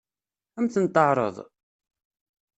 Ad m-ten-teɛṛeḍ?